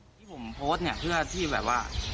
ตรงนั้นเหนี๊ยะพี่ที่ผมเห็น